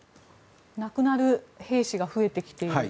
亡くなる兵士が増えてきている。